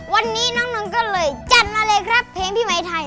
วันนี้น้องนนท์ก็เลยจัดมาเลยครับเพลงพี่หมายไทย